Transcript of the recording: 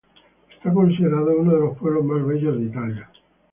Está considerado uno de los pueblos más bellos de Italia.